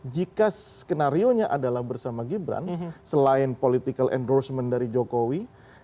jika skenario nya adalah bersama gibran selain political endorsement dari jokowi